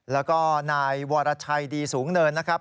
แล้วก็นายวรชัยดีสูงเนินนะครับ